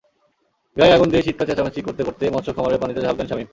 গায়ে আগুন নিয়েই চিৎকার-চেঁচামেচি করতে করতে মৎস্য খামারের পানিতে ঝাঁপ দেন শামীম।